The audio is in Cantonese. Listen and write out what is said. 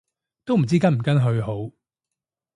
都唔知跟唔跟去好